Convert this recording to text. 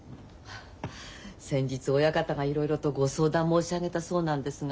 先日親方がいろいろとご相談申し上げたそうなんですが。